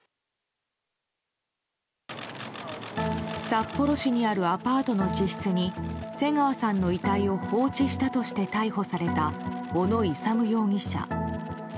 札幌市にあるアパートの自室に瀬川さんの遺体を放置したとして逮捕された小野勇容疑者。